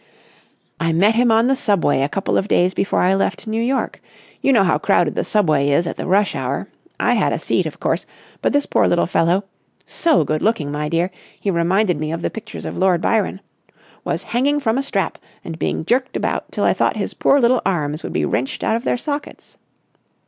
"I met him on the Subway a couple of days before I left New York. You know how crowded the Subway is at the rush hour. I had a seat, of course, but this poor little fellow—so good looking, my dear! he reminded me of the pictures of Lord Byron—was hanging from a strap and being jerked about till I thought his poor little arms would be wrenched out of their sockets.